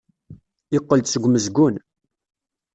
Yeqqel-d seg umezgun.